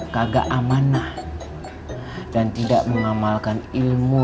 kagak amanah dan tidak mengamalkan ilmu